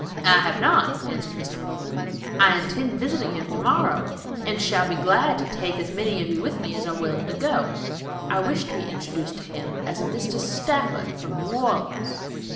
"I have not," answered Mr. Middleton. "I intend visiting him tomorrow, and shall be glad, to take as many of you with me as are willing to go. I wish to be introduced to him as a Mr. Stafford from New Orleans."